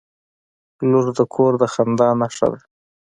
• لور د کور د خندا نښه ده.